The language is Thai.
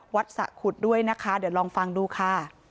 วัดสะขุดด้วยนะจะลองฟังดูค่ะ